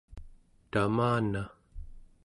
tamana